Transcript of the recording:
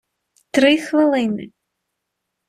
три хвилини!